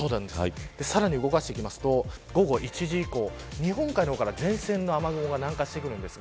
さらに動かすと午後１時以降日本海から前線の雨雲が南下してきます。